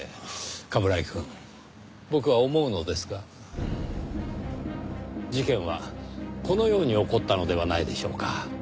冠城くん僕は思うのですが事件はこのように起こったのではないでしょうか？